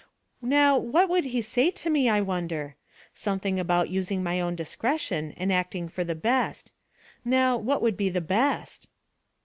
Now, what would he say to me, I wonder? Something about using my own discretion and acting for the best. Now, what would be the best?"